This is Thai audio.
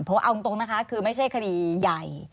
เพราะว่าเอาตรงนะคะคือไม่ใช่คดีใหญ่